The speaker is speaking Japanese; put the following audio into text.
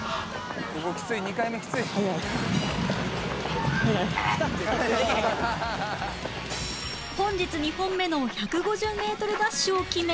「ここきつい２回目きつい」本日２本目の１５０メートルダッシュを決め